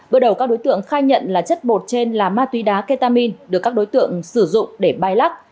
bước đầu các đối tượng khai nhận là chất bột trên là ma túy đá ketamin được các đối tượng sử dụng để bay lắc